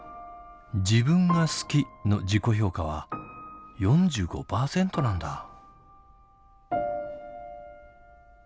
「自分が好き」の自己評価は４５％なんだ。